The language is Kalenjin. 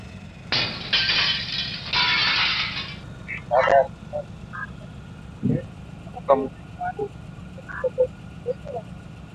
Kabarashainde noton komwoe tuku tugul en lokoiwek